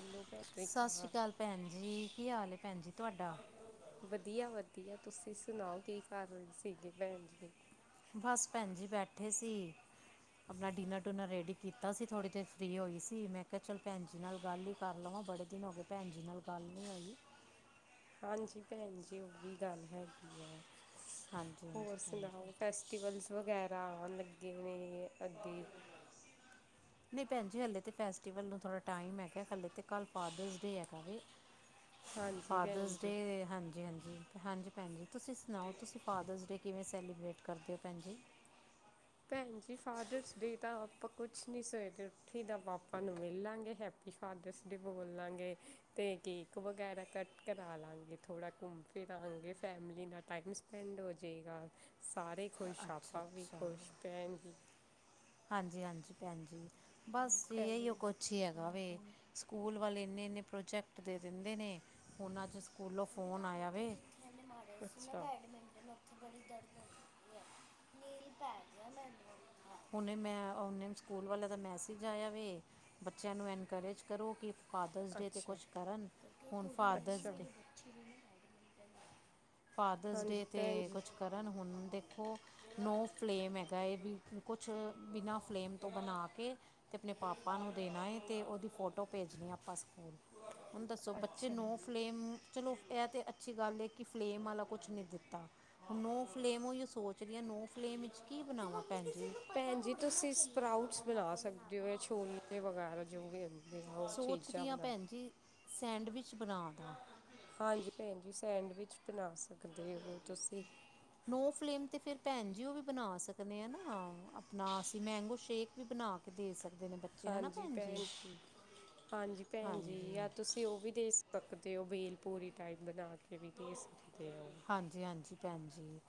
Hello ਭੈਣ ਸਤਿ ਸ਼੍ਰੀ ਸ੍ਰੀ ਅਕਾਲ ਭੈਣ ਜੀ, ਕੀ ਹਾਲ ਹੈ ਭੈਣ ਜੀ, ਤੁਹਾਡਾ? ਵਧੀਆ, ਵਧੀਆ। ਤੁਸੀਂ ਸੁਣਾਓ ਕੀ ਕਰ ਰੇ ਸੀਗੇ ਭੈਣ ਜੀ? ਬਸ ਭੈਣ ਜੀ, ਬੈਠੇ ਸੀ। ਆਪਣਾ ਡਿਨਰ-ਡੁਨਰ ਰੈਡੀ ਕੀਤਾ ਸੀ ਥੋੜ੍ਹੀ ਦੇਰ ਫ੍ਰੀ ਹੋਈ ਸੀ, ਮੈਂ ਕਿਹਾ ਚੱਲ ਭੈਣਜੀ ਨਾਲ ਗੱਲ ਹੀ ਕਰ ਲਵਾਂ। ਬੜੇ ਦਿਨ ਹੋ ਕੇ ਭੈਣ ਜੀ ਨਾਲ ਗੱਲ ਨਹੀਂ ਹੋਈ ਹਾਂਜੀ ਭੈਣ ਜੀ ਉਹ ਵੀ ਗੱਲ ਹੈਗੀ ਹੈ ਹਾਂਜੀ ਹਾਂਜੀ ਹੋਰ ਭੈਣ ਜੀ ਸੁਣਾਓ? ਫੈਸਟੀਵਲਸ ਵਗੈਰਾ ਆਉਣ ਲੱਗੇ ਨੇ, ਅੱਗੇ। [unintelligible] ਨਹੀਂ ਭੈਣ ਜੀ, ਹਲੇੇ ਤਾਂ ਫੈਸਟੀਵਲ ਨੂੰ ਥੋੜ੍ਹਾ ਟਾਈਮ ਹੈਗਾ, ਹਾਲੇ ਤਾਂ ਕੱਲ ਫਾਦਰਸ ਡੇ, ਆ। [inaudible] ਭੈਣ ਫਾਦਰਸ ਡੇ, ਜੀ ਹਾਂਜੀ-ਹਾਂਜੀ। ਹਾਂਜੀ ਭੈਣ ਜੀ, ਤੁਸੀਂ ਸੁਣਾਓ? ਤੁਸੀਂ ਫਾਦਰਸ ਡੇ ਕਿਵੇਂ ਸੈਲੀਬਰੇਟ ਕਰਦੇ ਹੋ? ਭੈਣ ਜੀ। ਭੈਣ ਜੀ, ਫਾਦਰਸ ਡੇ ਤਾਂ ਆਪਾਂ ਕੁਛ ਨਹੀਂ ਸਵੇਰੇ ਉੱਠੀ ਦਾ ਪਾਪਾ ਨੂੰ ਮਿੱਲਾਂਗੇ ਹੈਪੀ ਫਾਦਰਸ ਡੇ ਬੋਲ ਲਾਂਗੇ ਅਤੇ, ਕੇਕ ਵਗੈਰਾ ਕੱਟ ਕਰਾਲਾਂਗੇ ਥੋੜ੍ਹਾ ਘੁੰਮ ਫਿਰਾਂਗੇ ਫੈਮਿਲੀ ਨਾਲ ਟਾਈਮ ਸਪੈਂਡ ਹੋ ਜਾਵੇਗਾ ਸਾਰੇ ਖੁਸ਼ ਅੱਛਾ ਪਾ ਵੀ ਅੱਛਾ ਖੁਸ਼ ਪ ਜੀ [unintelligible] ਹਾਂਜੀ ਹਾਂਜੀ ਭੈਣਜੀ ਬਸਹੀ ਉਹ ਐਵੇਂ ਕੁਛ ਅੱਛੀ ਹੈਗਾ ਵੀ ਸਕੂਲ ਵੱਲ ਇੰਨੇ ਇੰਨੇ ਪ੍ਰੋਜੈਕਟ ਦੇ ਦਿੰਦੇ ਨੇ ਉਹਨਾਂ ' ਸਕੂਲੋਂ ਫੋਨ ਆਇਆ ਵੇ ਮਾੜਾ ਸੀ ਮੈਂ ਅੱਛਾ ਬੈਡਮਿੰਟਨ ਉੱਥੇ ਬੜੀ ਦਰਦ ਹੋ [inaudible] ਉਹਨੇ ਮੈਂ ਨੇ ਸਕੂਲ ਵਾਲਿਆਂ ਦਾ ਮੈਸੇਜ ਆਇਆ ਵੇ ਬੱਚਿਆਂ ਨੂੰ ਐਨਕਰੇਜ ਕਰੋ ਕਿ ਫਾਦਰਸ ਡੇ 'ਤੇ ਅੱਛਾ ਕੁਛ ਕਰਨ ਹੁਣ ਫਾਦਰਸ ਅੱਛਾ ਡੇ ਕਿ [inaudible] ਫਾਦਰਸ ਡੇ ਹਾਂਜੀ 'ਤੇ ਭੈਣ ਜੀ ਕੁਛ ਕਰਨ ਹੁਣ ਦੇਖੋ ਨੋ ਫਲੇਮ ਹੈਗਾ ਇਹ ਵੀ ਕੁਛ ਬਿਨਾਂ ਫਲੇਮ ਤੋਂ ਬਣਾ ਕੇ ਤੇ ਆਪਣੇ ਪਾਪਾ ਨੂੰ ਦੇਣਾ ਹੈ ਤੇ ਉਹਦੀ ਫੋਟੋ ਭੇਜਣੀ ਆਪਾਂ ਸਕੂਲ ਹੁਣ ਦੱਸੋ ਬੱਚੇ ਅੱਛਾ ਨੂੰੋ ਫਲੇਮ ਚਲੋ ਇਹ ਤਾਂ ਅੱਛੀ ਗੱਲ ਹੈ ਕਿ ਫਲੇਮ ਵਾਲਾ ਕੁਛ ਨਹੀਂ ਦਿੱਤਾ ਨੋ ਫਲੇਮ ਹੋਈ ਸੋਚ ਰਹੀ ਹਾਂ ਨੋ ਫਲੇਮ ਵਿੱਚ ਕੀ ਬਣਾਵਾਂ ਭੈਣ ਜੀ ਭੈਣ ਜੀ ਤੁਸੀਂ ਸਪਰਾਊਟਸ ਬਣਾ ਸਕਦੇ ਹੋ ਹੈ ਛੋਲੇ ਵਗੈਰਾ ਜੋ ਵੀ ਆ ਉਹ ਚੀਜ਼ਾਂ ਸੋਚਦੀ ਹਾਂ ਬਣਾ ਭੈਣ ਜੀ ਸੈਂਡਵਿਚ ਬਣਾ ਦਾਂ ਹਾਂਜੀ ਭੈਣ ਜੀ ਸੈਂਡਵਿਚ ਬਣਾ ਸਕਦੇ ਹੋ ਤੁਸੀਂ ਨੋ ਫਲੇਮ ਤੇ ਫਿਰ ਭੈਣ ਜੀ ਉਹ ਵੀ ਬਣਾ ਸਕਦੇ ਹ ਨਾ ਆਪਣਾ ਅਸੀਂ ਮੈਂਗੋ ਸ਼ੇਕ ਵੀ ਬਣਾ ਦੇ ਸਕਦੇ ਨੇ ਬੱਚੇ ਹਾਂਜੀ ਭੈਣ ਜੀ ਹਾਂਜੀ ਭੈਣ ਜੀ ਹਾਂਜੀ ਆ ਤੁਸੀਂ ਤੁਸੀ ਉਹ ਵੀ ਦੇ ਸਕਦੇ ਹੋ ਵੇਲ ਪੂਰੀ ਟਾਈਪ ਬਣਾ ਕੇ ਵੀ ਦੇ ਸਕਦੇ ਹੋ ਹਾਂਜੀ ਹਾਂਜੀ ਭੈਣ ਜੀ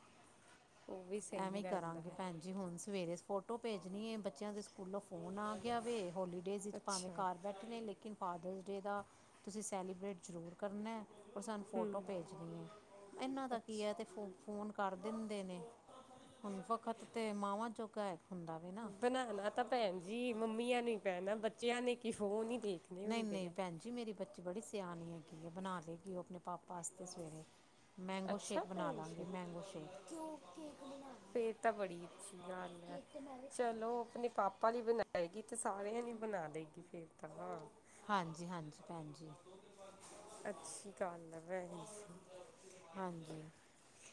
ਉਹ ਵੀ ਐਵੇਂ ਸਹੀ ਹੀ ਰਹਿੰਦਾ ਕਰਾਂਗੇ ਹੈ ਭੈਣ ਜ ਹੁਣ ਸਵੇਰੇ ਫੋਟੋ ਭੇਜਣੀ ਹੈ ਬੱਚਿਆਂ ਦੇ ਸਕੂਲੋਂ ਫੋਨ ਆ ਗਿਆ ਵ ਹੋਲੀਡੇਜ ਵਿਚ ਭਾਵੇਂ ਅੱਛਾ ਘਰ ਬੈਠੇ ਲੇਕਿਨ ਫਾਦਰਸ ਡੇ ਦਾ ਤੁਸੀਂ ਸੈਲੀਬ੍ਰੇਟ ਜ਼ਰੂਰ ਕਰਨਾ ਪਰ ਸਾਨੂੰ ਫੋਟੋ ਭੇਜਣੀ ਹੈ ਇਨਾਂ ਤਾਂ ਕੀ ਹੈ ਇਹ ਅੱਛਾ ਤਾਂ ਫੋ ਫੋਨ ਕਰ ਦਿੰਦੇ ਨੇ ਹੁਣ ਵਕਤ ਤੇ ਮਾਵਾਂ ਚ [unintelligible] ਹੁੰਦਾ ਵੀ ਨਾ ਬਣਾਉਣਾ ਤਾਂ ਭੈਣ ਜੀ ਮੰਮੀਆਂ ਨੂੰ ਹੀ ਪੈਣਾ ਬੱਚਿਆਂ ਨੇ ਕੀ ਫੋਨ ਹੀ ਦੇ ਨਹੀਂ ਨਹੀਂ ਭੈਣ ਜੀ ਮਰੀ ਬੱਚੀ ਬੜੀ ਸਿਆਣੀ ਹੈਗੀ ਆ ਬਣਾ ਲਗੀ ਉਹ ਆਪਣੇ ਪਾਪਾ ਵਾਸਤੇ ਮੈਂਗੋ ਅੱਛਾ ਸ਼ੇਕ ਬਣਾ ਭੈਣ ਲਾਂਗੀ ਜੀ ਮੈਂਗੋ ਸ਼ੇਕ ਫੇਰ ਤਾਂ ਬੜੀ ਅੱਛੀ ਗੱਲ ਹੈ। ਚਲੋ ਆਪਣੇ ਪਾਪਾ ਲਈ ਬਣਾਏਗੀ ਤੇ ਸਾਰਿਆਂ ਲਈ ਬਣਾ ਦੇਗੀ ਫੇਰ ਤਾਂ ਹਾਂਜੀ ਹਾਂਜੀ ਭੈਣ ਜੀ ਅੱਛੀ ਗੱਲਐ [unintelligible] ਸੀ ਹਾਂਜੀ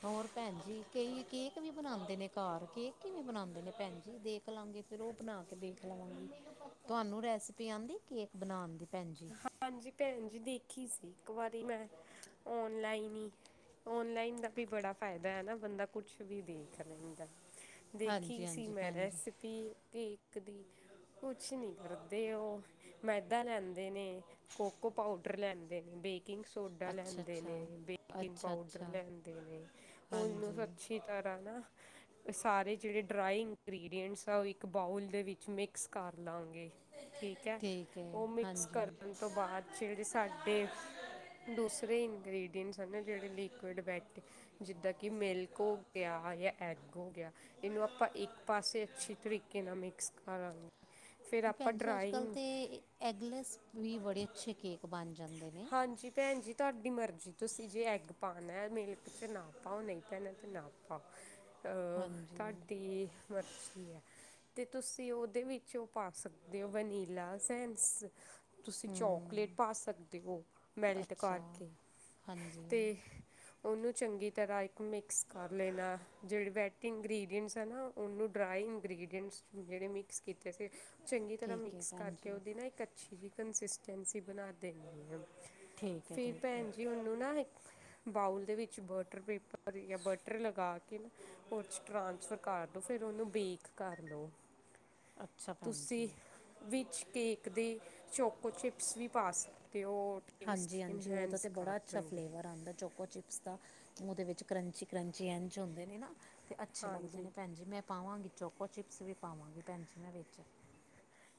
ਹੋਰ ਭੈਣ ਜੀ ਕਈ ਕੇਕ ਵੀ ਬਣਾਉਂਦੇ ਨੇ ਘਰ ਕੇਕ ਕਿਵੇਂ ਬਣਾਉਂਦੇ ਨੇ ਭੈਣ ਜੀ ਦੇਖ ਖ ਲਾਂਗੇ ਫਿਰ ਉਹ ਬਣਾ ਕੇ ਦੇਖ ਲਵਾਂਗੇ ਤੁਹਾਨੂੰ ਰੈਸਪੀ ਆਂਦੀ ਕੇਕ ਬਣਾਉਣ ਦੀ ਭੈਣ ਜੀ ਹਾਂਜੀ ਭੈਣ ਜੀ ਦੇਖੀ ਸੀ ਇੱਕ ਵਾਰੀ ਮੈਂ ਓਨਲਾਈਨ ਹੀ ਔਨਲਾਈਨ ਦਾ ਵੀ ਬੜਾ ਫਾਇਦਾ ਹੈ, ਨਾ ਬੰਦਾ ਕੁਛ ਵੀ ਦੇਖ ਲੈਂਦਾ ਹੈ। ਦੇਖੀ ਹਾਂਜੀ ਸੀ ਹਾਂਜੀ ਮੈਂ ਭੈਣ ਜੀ ਰੈਸਿਪੀ। ਕੇਕ ਦੀ ਕੁਛ ਨਹੀਂ, ਕਰਦੇ ਉਹ ਮੈਦਾ ਲੈਂਦੇ। ਲੈਂਦੇ ਨੇ ਕੋਕੋ ਪਾਊਡਰ ਲੈਂਦੇ ਨੇ। ਇੱਕ ਸੋਡਾ ਅੱਛਾ ਲੈਂਦੇ ਅੱਛਾ ਨੇ ਬੇਕਿੰਗ ਅੱਛਾ ਪਾਊਡਰ ਅੱਛਾ ਲੈਂਦੇ ਨੇ ਉਹਨੂੰ ਸੱਚ। ਹਾਂਜੀ ਚੰਗੀ ਤਰ੍ਹਾਂ ਨਾ। ਸਾਰੇ ਜਿਹੜੇ ਡਰਾਈ ਇੰਗਰੀਡੀਅਟਸ ਆ ਉਹ ਇੱਕ ਬਾਊਲ ਦੇ ਵਿੱਚ ਮਿਕਸ ਕਰ ਲਾਂਗੇ। ਠੀਕ ਹੈ ਉਹ ਮਿਕਸ ਕਰਨ ਤੋਂ ਬਾਅਦ ਜਿਹੜੇ ਸਾਡੇ। ਦੂਸਰੇ ਇੰਗ੍ਰਡੀਅਟਸ ਜਿਹੜੇ ਲਿਕੁਡ ਜਿੱਦਾਂ ਕਿ ਮਿਲਕ ਹੋ ਗਿਆ ਜਾਂ ਐਗ ਹੋ ਗਿਆ ਇਹਨੂੰ ਆਪਾਂ। ਇੱਕ ਪਾਸੇ ਅੱਛੀ ਤਰੀਕੇ ਨਾਲ ਮਿਕਸ ਕਰਾਂਗੇ। ਫਿਰ ਆਪਾਂ ਭੈਣ ਜੀ ਅੱਜ ਕੱਲ੍ਹ ਡਰਾਇੰਗ। ਤੇ ਐਗਲੈਸ ਵੀ ਬੜੇ ਅੱਛੇ ਕੇਕ ਬਣ ਜਾਂਦੇ ਨੇ। ਹਾਂਜੀ ਭੈਣ ਜੀ, ਤੁਹਾਡੀ ਮਰਜ਼ੀ ਤੁਸੀਂ ਜੇ ਐੱਗ ਪਾਉਣਾ ਮਿਲਕ 'ਚ ਨਾ ਪਾਓ ਨਹੀਂ ਪੈਣਾ ਤਾਂ ਨਾ ਪਾਓ। ਹਾਂ ਅਹ ਹਾਂਜੀ ਤੁਹਾਡੀ ਮਰਜ਼ੀ ਹੈ। ਤੇ ਤੁਸੀਂ ਉਹਦੇ ਵਿੱਚ ਉਹ ਪਾ ਸਕਦੇ, ਹੋ ਵਨੀਲਾ ਸੈਸ। ਤੁਸੀਂ ਚੋਕਲੇਟ ਪਾ ਸਕਦੇ ਹੋ। ਤੇ ਉਹ ਮੈਲਟ ਅੱਛਾ ਕਰਕੇ ਹਾਂਜੀ ਤੇ। ਉਹਨੂੰ ਚੰਗੀ ਤਰ੍ਹਾਂ ਇੱਕ ਮਿਕਸ ਕਰ ਲੈਣਾ, ਜਿਹੜੇ ਵੈਟ ਇੰਗਰੀਡੀਅਟਸ ਹੈ ਨਾ ਉਹ। ਉਹਨੂੰ ਡਰਾਈ ਇੰਗਰੀਡੀਅਟਸ ਜਿਹੜੇ ਮਿਕਸ ਕੀਤੇ ਸੀ। ਚੰਗੀ ਤਰ੍ਹਾਂ ਠੀਕ ਹੈ ਮਿਕਸ ਭੈਣ ਕਰਕੇ, ਜੀ ਉਹਦੀ ਨਾ ਇੱਕ ਅੱਛੀ ਜਿਹੀ ਕੰਸਿਸਟੈਂਸੀ ਬਣਾ ਦੇਣੀ ਹਾਂ। ਠੀਕ ਹੈ ਫੇਰ ਠੀਕ ਹੈ ਭੈਣ ਜੀ ਉਹਨੂੰ ਨਾ। ਬਾਊਲ ਦੇ ਵਿੱਚ ਬਟਰ ਪੇਪਰ ਜਾਂ ਬਟਰ ਲਗਾ ਕੇ ਨਾ। ਉਹ 'ਚ ਟ੍ਰਾਂਸਫਰ ਕਰ ਦਉ, ਫਿਰ ਉਹਨੂੰ ਬੇਕ ਕਰ ਲੋ। ਅੱਛਾ ਭੈਣ ਜੀ ਤੁਸੀਂ ਵਿਚ ਕੇਕ ਦੇ ਚੋਕੋ ਚਿਪਸ ਵੀ ਪਾ ਸਕਦੇ। ਹੋ ਟੇਸਟ ਹਾਂਜੀ-ਹਾਂਜੀ ਉਹਦਾ ਇਨਹੈਂਸ ਤੇ ਕਰ ਬੜਾ ਅੱਛਾ ਦੇਣਗੇ ਫਲੇਵਰ। ਆਉਦਾ ਚੋਕੋ ਚਿਪਸ ਦਾ ਉਹਦੇ ਕ੍ਰੰਚੀ-ਕ੍ਰੰਚੀ ਇੰਚ ਹੁੰਦੇ ਨੇ ਨਾ। ਅਤੇ ਅੱਛੇ ਲੱਗਦੇ ਹਾਂਜੀ ਨੇ ਭੈਣ ਜੀ, ਮੈਂ ਪਾਵਾਂਗੀ ਚੋਕੋ ਚਿਪਸ ਵੀ ਪਾਵਾਂਗੀ ਭੈਣ ਜੀ ਮੈਂ ਵਿੱਚ।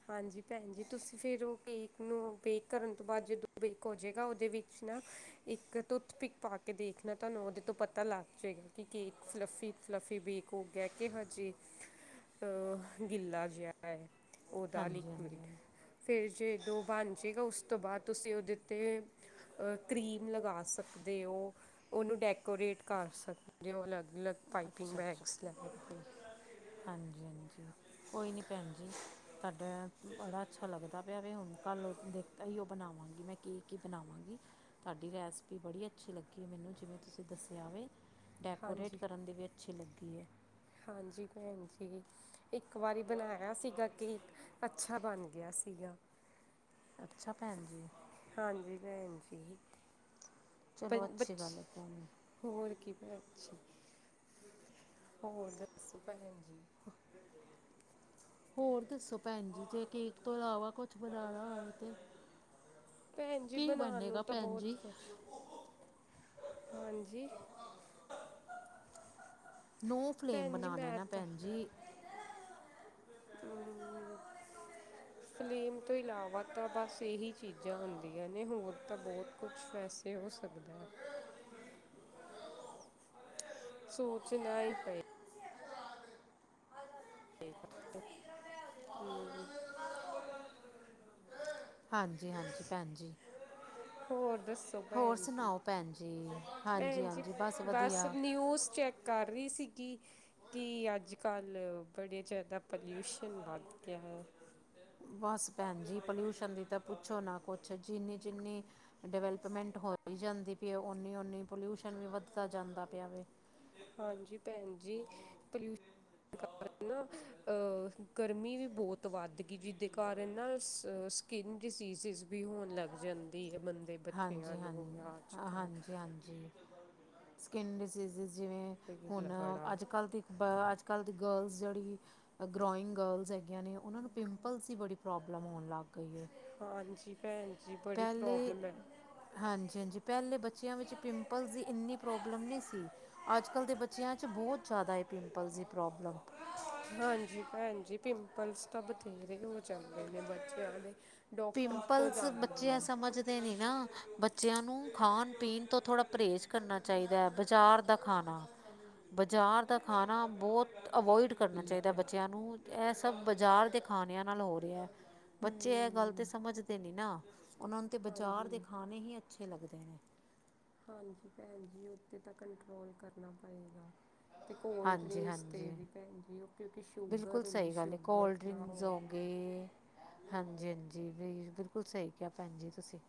ਹਾਂਜੀ ਭੈਣ ਜੀ, ਤੁਸੀਂ ਫਿਰ ਉਹ ਕੇਕ ਨੂੰ ਬੇਕ ਕਰਨ ਤੋਂ ਬਾਅਦ ਜਦੋਂ ਬੇਕ ਹੋ ਜਾਵੇਗਾ ਉਹਦੇ ਵਿੱਚ ਨਾ। ਇੱਕ ਟੁੱਥਪਿਕ ਪਾ ਕੇ ਦੇਖਣਾ, ਤੁਹਾਨੂੰ ਉਹਦੇ ਤੋਂ ਪਤਾ ਲੱਗ ਜਾਏਗਾ ਕਿ ਕੇ ਫਲੱਫੀ। ਫਲੱਫੀ ਬੀਕ ਹੋ ਗਿਆ, ਕਿ ਬਸ ਜੀ ਅ ਗਿੱਲਾ ਜਿਹਾ ਹੈ। ਉਹਦਾ ਹਾਂਜੀ ਲਿਕੁਇਡ ਹਾਂਜੀ ਫਿਰ ਜਦੋਂ ਬਣ ਜਾਏਗਾ, ਉਸ ਤੋਂ ਬਾਅਦ ਤੁਸੀਂ ਉਹਦੇ ਉੱਤੇ। ਅਹ ਕਰੀਮ ਲਗਾ ਸਕਦੇ ਹੋ। ਉਹਨੂੰ ਡੈਕੋਰੇਟ ਕਰ ਸਕਦੇ ਹੋ, ਅਲੱਗ-ਅਲੱਗ ਪਾਈਪਿੰਗ ਅੱਛਾ ਬੈਗਸ ਅੱਛਾ ਲੈ ਕੇ। ਹਾਂਜੀ ਹਾਂਜੀ। ਕੋਈ ਨਹੀਂ ਭੈਣ ਜੀ, ਤੁਹਾਡਾ ਬੜਾ ਅੱਛਾ ਲੱਗਦਾ ਪਿਆ ਵੀ ਹੁਣ ਕੱਲ੍ਹ ਉਹ ਦੇਖ ਹੀ ਉਹ ਬਣਾਵਾਂਗੀ ਮੈਂ। ਕੀ ਕੀ ਬਣਾਵਾਂਗੀ ਤੁਹਾਡੀ ਰੈਸਪੀ ਬੜੀ ਅੱਛੀ ਲੱਗੀ, ਮੈਨੂੰ ਜਿਵੇਂ ਤੁਸੀਂ ਦੱਸਿਆਵੇ। ਡੈਕੋਰੇਟ ਹਾਂਜੀ ਕਰਨ ਦੀ ਵੀ ਅੱਛੀ ਲੱਗੀ ਹੈ। ਹਾਂਜੀ ਭੈਣ ਜੀ। ਇੱਕ ਵਾਰੀ ਬਣਾਇਆ ਸੀਗਾ, ਕੇਕ ਅੱਛਾ ਬਣ ਗਿਆ ਸੀਗਾ। ਅੱਛਾ ਭੈਣ ਜੀ। ਹਾਂਜੀ ਭੈਣ ਜੀ ਚਲੋ ਅੱਛੀ ਗੱਲ ਬੱਚੇ। ਹੈ ਭੈਣ ਹੋਰ ਕੀ ਭੈਣ ਜੀ। ਹੋਰ ਦੱਸੋ ਭੈਣ ਜੀ। ਹੋਰ ਦੱਸੋ ਭੈਣ ਜੀ ਜੇ ਕੇਕ ਤੋਂ ਇਲਾਵਾ ਕੁਛ ਬਣਾਉਣਾ ਹੋਵੇ ਤੇ। ਭੈਣ ਜੀ ਕੀ ਬਣਾਉਣ ਨੂੰ ਬਨੇਗਾ ਤਾਂ ਭੈਣ ਬਹੁਤ ਜੀ। ਕੁਛ ਹਾਂਜੀ, ਨੋ ਫਲੇਮ ਭੈਣ ਜੀ ਬਣਾਉ ਲੋ ਮੈਂ ਨਾ ਭੈਣ ਜੀ, ਹੂੰ, ਫਲੇਮ ਤੋਂ ਇਲਾਵਾ ਤਾਂ ਬਸ ਇਹੀ ਚੀਜ਼ਾਂ ਹੁੰਦੀਆਂ, ਨੇ ਹੋਰ ਤਾਂ ਬਹੁਤ ਕੁਛ ਵੈਸੇ ਤੇ ਹੋ ਸਕਦਾ, ਸੂਚਨਾਈ ਪਈ, [unintelligible] ਹਾਂਜੀ ਹਾਂਜੀ ਭੈਣ ਜੀ ਹੋਰ ਦੱਸੋ? ਹੋਰ ਭੈਣ ਜੀ ਸੁਣਾਓ ਭੈਣ ਜੀ ਹਾਂਜੀ ਭੈਣ ਜੀ ਹਾਂਜੀ ਬਸ ਵਧੀਆ ਨਿਊਜ਼ ਚੈੱਕ, ਕਰ ਰਹੀ ਸੀਗੀ, ਕੀ ਅੱਜ-ਕੱਲ੍ਹ ਬੜੇ ਜਿਆਦਾ ਪੋਲਿਊਸ਼ਨ ਵੱਧ ਗਿਆ ਹੈ। ਬਸ ਭੈਣ ਜੀ ਪੋਲਿਊਸ਼ਨ ਦੀ ਤਾਂ, ਪੁੱਛੋ ਨਾ ਕੁਛ ਜਿੰਨੀ ਜਿੰਨੀ। ਡਿਵੈਲਪਮੈਂਟ ਹੋ ਵੀ ਜਾਂਦੀ ਪਈ ਆ, ਓਨੀ-ਓਨੀ ਪੋਲਿਊਸ਼ਨ ਵੀ ਵੱਧਦਾ ਜਾਂਦਾ ਪਿਆ ਵਾ। ਹਾਂਜੀ ਭੈਣ ਜੀ, ਪੋਲਿਊਸਨ। ਅਹ ਗਰਮੀ ਵੀ ਬਹੁਤ ਵੱਧ ਗਈ ਜਿਹਦੇ ਕਾਰਨ ਨਾ। ਸਕਿਨ ਡਿਸੀਜ਼ਿਸ ਵੀ ਹੋਣ ਲੱਗ ਜਾਂਦੀ ਹੈ। ਬੱਚਿਆਂ ਹਾਂਜੀ ਹਾਂ ਨੂੰ ਜਾਂ ਅੱਜ ਕੱਲ੍ਹ ਹਾਂਜੀ ਹਾਂਜੀ ਸਕਿਨ ਡਿਸੀਜ਼ ਜਿਵੇਂ ਤੇ ਹੁਣ ਬੜਾ ਅੱਜ ਕੱਲ੍ਹ ਦੀ ਅੱਜ ਕੱਲ੍ਹ ਦੀ ਗਰਲਸ ਜਿਹੜੀ ਗਰੋਇੰਗ ਗਰਲਸ ਹੈਗੀਆਂ ਨੇ ਉਹਨਾਂ ਨੂੰ ਪਿੰਪਲਸ ਦੀ ਬੜੀ ਪ੍ਰੋਬਲਮ ਹੋਣ ਲੱਗ ਗਈ ਹੈ ਹਾਂਜੀ ਭੈਨਜੀ ਪਹਿਲੇ ਹਾਂਜੀ ਹਾਂਜੀ ਪਹਿਲੇ ਬੱਚਿਆਂ ਵਿੱਚ ਪਿੰਪਲਸ ਦੀ ਇੰਨੀ ਪ੍ਰੋਬਲਮ ਨਹੀਂ ਸੀ ਅੱਜ ਕੱਲ੍ਹ ਦੇ ਬੱਚਿਆਂ 'ਚ ਬਹੁਤ ਜ਼ਿਆਦਾ ਹੈ ਪਿੰਪਲਸ ਦੀ ਪ੍ਰੋਬਲਮ ਹਾਂਜੀ ਭੈਣ ਜੀ ਪਿੰਪਲਸ ਤਾਂ ਬਥੇਰੇ ਹੋ ਜਾਂਦੇ ਨੇ ਬੱਚਿਆਂ ਦੇ ਡਾਕਟਰ ਕੋਲ ਪਿੰਪਲਸ ਜਾਂਦੇ ਬੱਚੇ ਇਹ ਨੇ ਸਮਝਦੇ ਨੀ ਨਾ ਬੱਚਿਆਂ ਨੂੰ ਖਾਣ ਪੀਣ ਤੋਂ ਥੋੜ੍ਹਾ ਪਰਹੇਜ਼ ਕਰਨਾ ਚਾਹੀਦਾ ਹੈ ਬਜ਼ਾਰ ਦਾ ਖਾਣਾ ਬਜ਼ਾਰ ਦਾ ਖਾਣਾ ਬਹੁਤ ਅਵੋਇਡ ਕਰਨਾ ਠੀਕ ਚਾਹੀਦਾ ਹੈ ਬੱਚਿਆਂ ਨੂੰ ਇਹ ਸਭ ਬਾਜ਼ਾਰ ਦੇ ਖਾਣਿਆਂ ਨਾਲ ਹੋ ਰਿਹਾ ਬੱਚੇ ਇਹ ਗੱਲ ਤੇ ਹਮ ਸਮਝਦੇ ਨਇ ਨਾ ਉਹਨਾਂ ਨੂੰ ਤੇ ਬਾਜ਼ਾਰ ਦੇ ਹਾਂਜੀ ਖਾਣੇ ਹੀ ਅੱਛੇ ਲੱਗਦੇ ਨੇ ਹਾਂਜੀ ਭੈਣ ਜੀ ਉੱਥਤੇ ਤਾਂ ਕੰਟਰੋਲ ਕਰਨਾ ਪਏਗਾ ਅਤੇ ਕੋਲਡ ਹਾਂਜੀ ਡਰਿੰਕਸ 'ਤੇ ਹਾਂਜੀ ਵੀ ਭੈਨਹੀਂ ਉਹ ਕਿਉਂਕਿ ਬਿਲਕੁਲ ਸ਼ੂਗਰ ਹੁੰਦੀ ਸਹੀ ਗੱਲ ਹੈ ਸ਼ੂਗਰ ਕੋਲਡ ਨਾ ਡਰਿੰਕਸ ਹੋ ਹੋਵੇ ਗਏ ਹਾਂਜੀ ਹਾਂਜੀ ਵੀ ਬਿਲਕੁਲ ਸਹੀ ਕਿਹਾ ਭੈਣ ਜੀ ਤੁਸੀਂ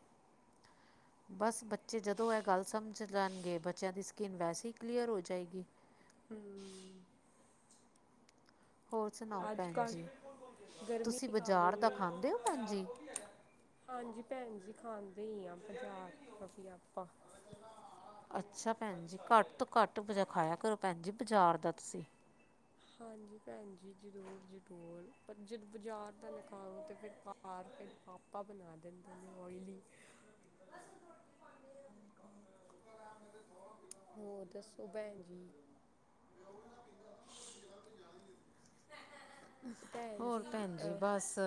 ਬਸ ਬੱਚੇ ਜਦੋਂ ਇਹ ਗੱਲ ਸਮਝ ਲੈਣਗੇ ਬੱਚਿਆਂ ਦੀ ਸਕੀਨ ਵੈਸੇ ਹੀ ਕਲੀਅਰ ਹੋ ਜਾਏਗੀ ਹਮ ਹੋਰ ਸੁਣਾਓ ਅੱਜ ਭੈਣ ਜੀ ਕੱਲ੍ਹ ਗਰਮੀ ਤੁਸੀਂ ਕਾਰਨ ਬਜ਼ਾਰ ਦਾ ਵੀ ਖਾਂਦੇ ਹੋ ਭੈਣ ਜੀ ਹਾਂਜੀ ਭੈਣ ਜੀ ਖਾਂਦੇ ਹੀ ਆਾਂ ਬਜ਼ਾਰ ਤੋਂ ਵੀ ਆਪਾਂ ਅੱਛਾ ਭੈਣ ਜੀ ਘੱਟ ਤੋਂ ਘੱਟ ਖਾਇਆ ਕਰੋ ਭੈਣ ਜੀ ਬਾਜ਼ਾਰ ਦਾ ਤੁਸੀਂ ਹਾਂਜੀ ਭੈਣ ਜੀ ਜ਼ਰੂਰ ਜਰੂਰ ਪਰ ਜਦ ਬਾਜ਼ਾਰ ਦਾ ਨਕਾਰੋ ਤਾਂ ਫਿਰ ਘਰ ਫਿਰ ਪਾਪਾ ਬਣਾ ਦਿੰਦੇ ਆਇਲੀ ਹੋਰ ਦੱਸੋ ਭੈਣ ਜੀ ਭੈਣ ਹੋਰ ਭੈਣ ਜੀ ਅਹ ਬਸ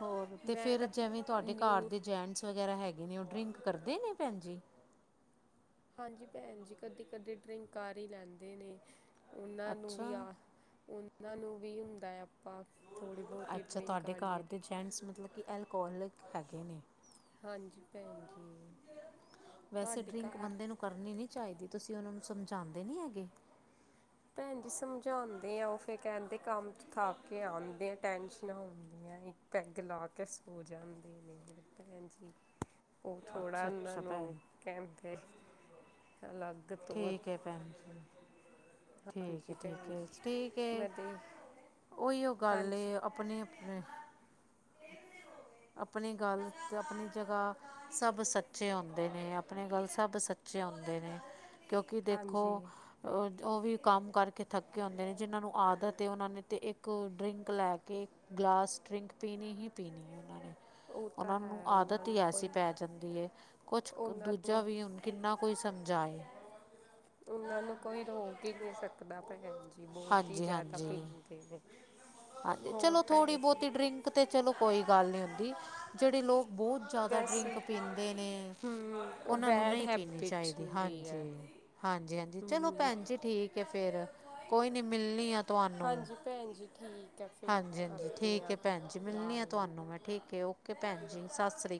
ਹੋਰ ਤੇ ਮੈਂ ਫੇਿਰ ਤਾਂ ਜਿਵੇਂ ਤੁਹਾਡੇ ਘਰ ਨਿਊ ਦੇ ਜੈਟਜ਼ ਵਗੈਰਾ ਹੈਗੇ ਨੇ ਉਹ ਡਰਿੰਕ ਕਰਦੇ ਨੇ ਭੈਣ ਜੀ ਹਾਂਜੀ ਭੈਣ ਜੀ ਕਦੀ ਕਦੇ ਡਰਇੰਗ ਕਾਰ ਹੀ ਲੈਂਦੇ ਨੇ ਉਹਨਾਂ ਨੂੰ ਵੀ ਅੱਛਾ ਆ ਉਹਨਾਂ ਨੂੰ ਵੀ ਹੁੰਦਾ। ਪਾਸ ਥੋੜੀ ਬਹੁਤ ਹੀ ਡਰਿੰਕ ਆ ਲਈਏ। ਫੈਂਟਸ ਮਤਲਬ ਕਿ ਐਲਕੋਹਲਿਕ ਹੈਗੇ ਨੇ। ਹਾਂਜੀ ਭੈਣ ਜੀ। ਵੈਸੇ ਤੁਹਾਡੇ ਡਰਿੰਕ ਘਰ ਬੰਦੇ ਨੂੰ ਕਰਨੀ ਨੀ ਚਾਹੀਦੀ ਤੁਸੀਂ ਉਹਨਾਂ ਨੂੰ ਸਮਝਾਂਦੇ ਨੀ ਹੈਗੇ। ਭੈਣ ਜੀ ਸਮਝਾਉਂਦੇ ਆ ਉਹ ਫੇਰ ਕਹਿੰਦੇ ਕੰਮ ਚ ਥਾਕ ਕੇ ਆਉਂਦੇ ਆ ਟੈਸ਼ਨਾ ਹੁੰਦੀ। ਦੀ ਪੈਗ ਲਾ ਕੇ ਸੋ ਜਾਂਦੇ ਨੇ ਭੈਣ ਜੀ। ਉਹ ਥੋੜ੍ਹਾ ਅੱਛਾ ਉਹਨਾਂ ਅੱਛਾ ਭੈਣ ਨੂੰ ਕਹਣਦੇ ਅਲੱਗ ਤੋਂ ਭੈਨ ਜੀ [inaudible] ਠੀਕ ਹਾਂਜੀ ਏ ਠੀਕ ਭੈਣ ਏ ਠੀਕ ਜੀ ਏ ਮੈਂ ਦੇ ਓਹੀ ਗੱਲ ਹਾਂਜੀ ਏ ਅਪ ਆਪਣੇ ਆਪਣੇ ਆਪਣੀ ਗੱਲ ਤੇ ਆਪਣੀ ਜਗ੍ਹਾ ਸਭ ਸੱਚੇ ਹੁੰਦੇ ਨੇ ਆਪਣੇ ਗੱਲ ਸਭ ਸੱਚੇ ਹੁੰਦੇ ਨੇ। ਕਿਉਂਕਿ ਦੇਖੋ। ਹਾਂਜੀ ਉਹ ਵੀ ਕੰਮ ਕਰਕੇ ਥੱਕੇ ਹੁੰਦੇ ਨੇ ਜਿਹਨਾਂ ਨੂੰ ਆਦਤ ਉਹਨਾਂ ਨੇ ਅਤੇ ਇੱਕ ਡਰਿੰਕ ਲੈ ਕੇ ਗਲਾਸ ਡਰਿੰਕ ਪੀਣੀ ਹੀ ਪੀਣੀ ਹੈ ਉਹਨਾਂ ਨੇ ਉਹ ਤਾਂ ਉਹਨਾਂ ਨੂੰ ਹੈ ਉਹਨਾਂ ਆਦਤ ਹੀ ਨੂੰ ਐਸੀ ਕੋਈ ਪੈ ਜਾਂਦੀ ਐ, ਕੁਛ ਉਹਨਾਂ ਦੂਜਾ ਨੂੰ ਵੀ ਹੁਣ ਕਿੰਨਾ ਕੋਈ ਸਮਝਾਏ ਉਹਨਾਂ ਨੂੰ ਕੋਈ ਰੋਕ ਈ ਨਈਸਕਦਾ ਭੈਣ ਜੀ ਬਹੁਤ ਈ ਹਾਂਜੀ ਜੈਦਾ ਹਾਂਜੀ ਪੀਂਦੇ ਨੇ। ਹਾਂਜੀ, ਹੋਰ ਚਲੋ ਥੋੜੀ ਭੈਣ ਜੀ ਬਹੁਤੀ ਡਰਿੰਕ ਤਾਂ ਚਲੋ ਕੋਈ ਗੱਲ ਨੀ ਹੁੰਦੀ ਜੇੜੇ ਲੋਕ ਬੌਤ ਜੈਦਾ ਵੈਸੇ ਡਰਿੰਕ ਪੀਂਦੇ ਨੇ ਹਮ ਉਹ ਉਹਨਾਂ ਨੂੰ ਬੈਡ ਨਈ ਪੀਣੀ ਹੈਬਿਟ ਚਾਈਦੀ, ਹੁੰਦੀ ਹੈ ਹਾਂਜੀ। ਹਾਂਜੀ-ਹਾਂਜੀ, ਚਲੋ ਭੈਣ ਜੀ ਠੀਕ ਐ ਫੇਰ, ਕੋਈ ਨੀ ਮਿਲਣੀ ਆ। ਤੁਹਾਨੂੰ ਹਾਂਜੀ, ਭੈਣ ਜੀ ਠੀਕ ਐ, ਫਿਰ ਹਾਂਜੀ ਹਾਂਜੀ ਕਰਦੇ ਠੀਕ ਆ ਹੈ ਭੈਣ ਜੀ ਗੱਲ ਮਿਲਣੀ ਆ ਬਾਏ। ਤੁਹਾਨੂੰ ਮੈਂ ਠੀਕ ਏ ਓਕੇ ਭੈਣ ਜੀ ਸਾ ਸ੍ਰੀ